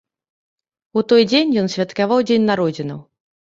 У той дзень ён святкаваў дзень народзінаў.